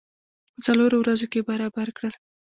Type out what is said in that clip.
په څلورو ورځو کې برابر کړل.